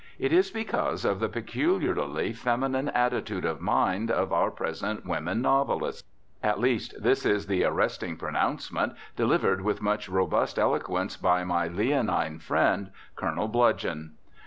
It is because of the peculiarly feminine attitude of mind of our present women novelists. At least, this is the arresting pronouncement delivered with much robust eloquence by my leonine friend, Colonel Bludgeon.